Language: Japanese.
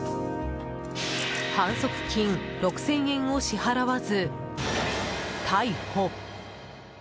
反則金６０００円を支払わず逮捕。